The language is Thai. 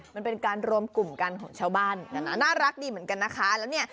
มันเป็นการรวมกลุ่มกันของชาวบ้านกันนะน่ารักดีเหมือนกันนะคะแล้วเนี่ย